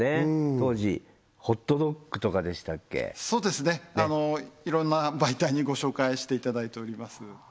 当時「Ｈｏｔ−Ｄｏｇ」とかでしたっけそうですねいろんな媒体にご紹介していただいております